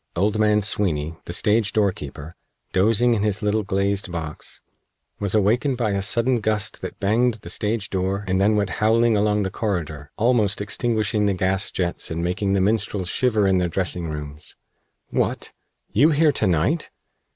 Old man Sweeny, the stage doorkeeper, dozing in his little glazed box, was awakened by a sudden gust that banged the stage door and then went howling along the corridor, almost extinguishing the gas jets and making the minstrels shiver in their dressing rooms. "What! You here to night!"